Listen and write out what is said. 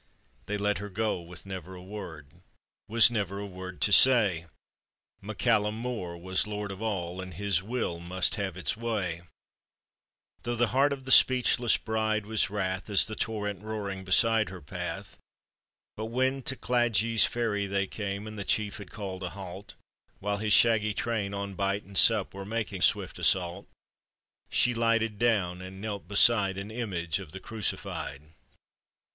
They, let her go with ne'ver a word — Was never a word to say; MacCallum Mor was lord of all, And his will must have its way; Though the heart of the speechless bride was wrath As the torrent roaring beside her path. But when to Cladich ferry they came, And the chief had called a halt, While his shaggy train on bite and sup Were making swift assault, She lighted down, and knelt beside An image of the crucified.